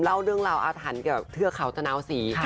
เล่าเรื่องราวอาถรรพ์เกี่ยวกับเทือกเขาตะนาวศรี